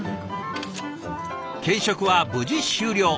検食は無事終了。